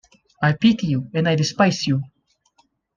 I pity you, and I despise you!